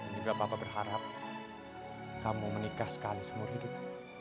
dan juga papa berharap kamu menikah sekali seumur hidup